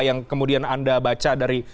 yang kemudian anda baca dari